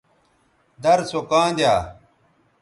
در سو کاں دیا